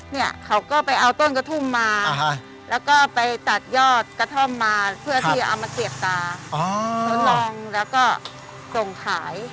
เนี่ยเขาก็ไปเอาต้นกระทุ่มมาแล้วก็ไปตัดยอดกระท่อมมาเพื่อที่จะเอามาเสียบตาทดลองแล้วก็ส่งขาย